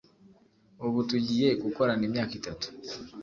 ubu tugiye gukorana imyaka itatu